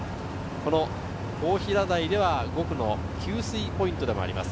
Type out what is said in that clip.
大平台では５区の給水ポイントでもあります。